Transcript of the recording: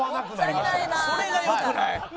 それがよくない！